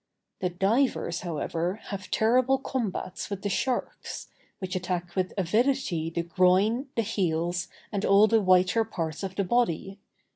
The divers, however, have terrible combats with the sharks, which attack with avidity the groin, the heels, and all the whiter parts of the body.